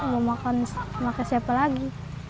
mau makan siapa lagi